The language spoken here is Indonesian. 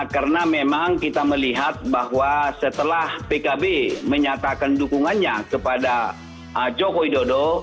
karena memang kita melihat bahwa setelah pkb menyatakan dukungannya kepada joko widodo